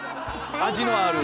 味のある。